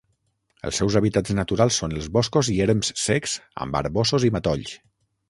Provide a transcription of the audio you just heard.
Els seus hàbitats naturals són els boscos i erms secs amb arboços i matolls.